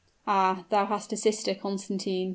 "Ah, thou hast a sister, Constantine?"